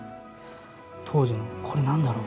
当時のこれ何だろう？